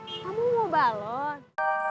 kamu mau balon